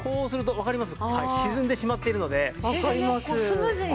わかります？